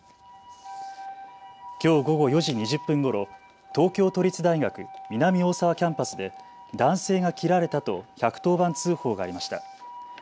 きょう午後４時２０分ごろ、東京都立大学南大沢キャンパスで男性が切られたと１１０番通報がありました。